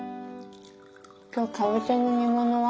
今日かぼちゃの煮物は？